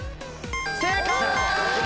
正解！